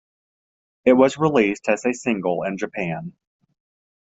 It was released as a single in Japan.